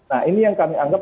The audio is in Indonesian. nah ini yang kami anggap